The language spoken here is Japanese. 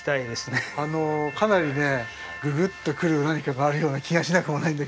かなりねぐぐっとくる何かがあるような気がしなくもないんだけど。